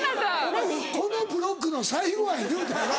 お前このブロックの最後や言うたやろ。